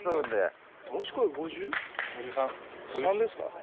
３ですか？